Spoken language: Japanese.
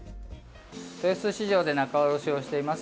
豊洲市場で仲卸をしてます